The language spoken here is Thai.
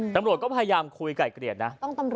ตำรวจก็พยายามคุยไก่เกลียดนะ